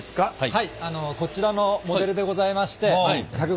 はい。